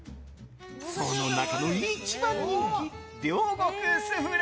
その中の一番人気両国すふれ。